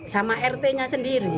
sama rt nya sendiri